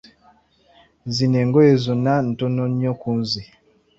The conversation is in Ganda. Zino engoye zonna ntono nnyo kunze!